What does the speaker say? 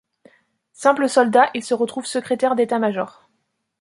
Simple soldat, il se retrouve secrétaire d’état-major.